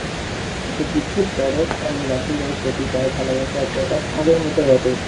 এত কিছুর পরও স্বামী রাহুলের প্রতি তার ভালোবাসার প্রকাশ আগের মতোই অটুট।